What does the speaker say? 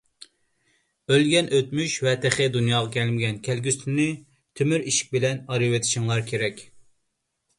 ئۆلگەن ئۆتمۈش ۋە تېخى دۇنياغا كەلمىگەن كەلگۈسىنى تۆمۈر ئىشىك بىلەن ئايرىۋېتىشىڭلار كېرەك.